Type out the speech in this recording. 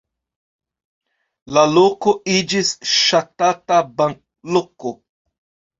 La loko iĝis ŝatata banloko.